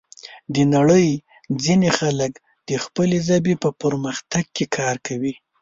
د نړۍ ځینې خلک د خپلې ژبې په پرمختګ کې کار کوي.